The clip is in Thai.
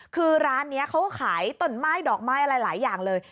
คือร้านนี้เขาก็ขายต้นไม้ดอกไม้อะไรหลายอย่างเลย